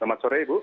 selamat sore ibu